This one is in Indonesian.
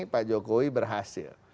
pak jokowi berhasil